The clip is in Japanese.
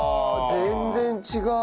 全然違う！